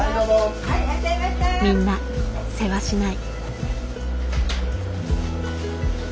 みんなせわしない。